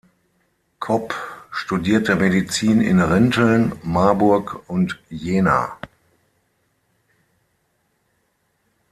Kopp studierte Medizin in Rinteln, Marburg und Jena.